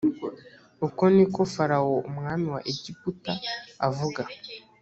uko ni ko farawo umwami wa egiputa avuga.